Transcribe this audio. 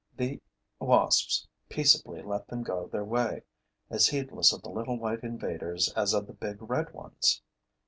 The wasps peaceably let them go their way, as heedless of the little white invaders as of the big red ones.